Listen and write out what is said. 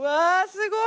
すごい！